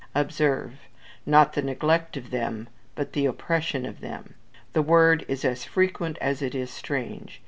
Observe: not the neglect of them, but the Oppression of them: the word is as frequent as it is strange.